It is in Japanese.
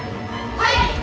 はい！